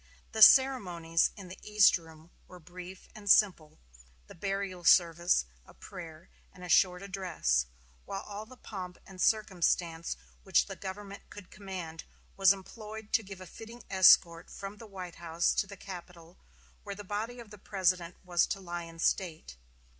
The ceremonies in the East Room were brief and simple the burial service, a prayer, and a short address; while all the pomp and circumstance which the government could command was employed to give a fitting escort from the White House to the Capitol, where the body of the President was to lie in state.